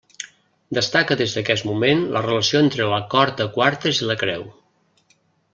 Destaca des d'aquest moment la relació entre l'acord de quartes i la creu.